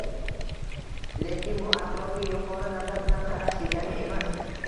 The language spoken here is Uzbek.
Lekin bu atrofga yuqori nazar bilan qarash degani emas